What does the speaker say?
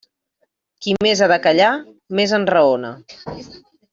Qui més ha de callar, més enraona.